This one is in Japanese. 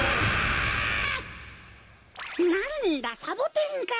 なんだサボテンか。